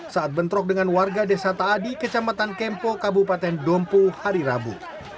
saat bentrok dengan warga desa taadi kecamatan kempo kabupaten dompu hari rabu